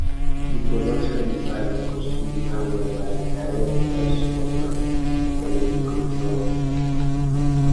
The production design and costume design were by the director's husband, Enrico Job.